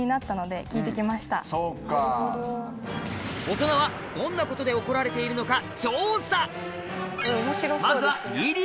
オトナはどんなことで怒られているのか調査！